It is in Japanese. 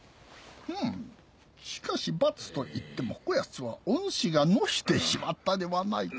ふむしかし罰といってもこやつはおぬしがのしてしまったではないか。